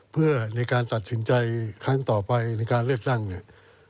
เพื่อในการตัดสินใจครั้งต่อไปในการเลือกตั้งเนี่ย